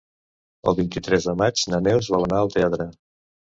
El vint-i-tres de maig na Neus vol anar al teatre.